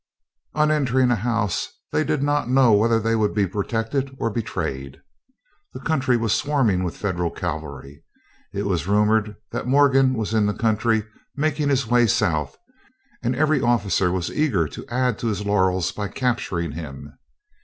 On entering a house they did not know whether they would be protected or betrayed. The country was swarming with Federal cavalry. It was rumored that Morgan was in the country making his way south, and every officer was eager to add to his laurels by capturing him.